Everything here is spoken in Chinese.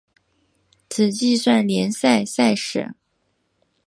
只计算联赛赛事。